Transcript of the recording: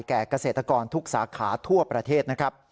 แก่เกษตรกรทุกสาขาทั่วประเทศ